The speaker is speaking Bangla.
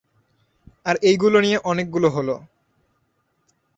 আর এইগুলো নিয়ে অনেকগুলো হোল।